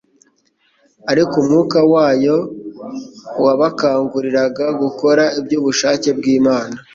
ariko Umwuka wayo wabakanguriraga gukora iby'ubushake bw'Imana